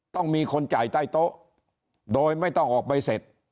ต้องมีคนจ่ายใต้โต๊ะโดยไม่ต้องออกใบเสร็จ